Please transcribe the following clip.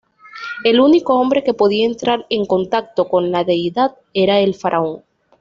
El único hombre que podía entrar en 'contacto' con la deidad era el faraón.